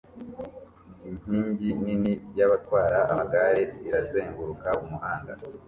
Inkingi nini yabatwara amagare irazenguruka umuhanda